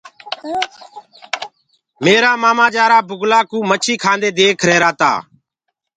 ميرآ مآمآ جآرآ بُگلآ ڪوُ مڇيٚ کآندي ديک رهرآ تآ۔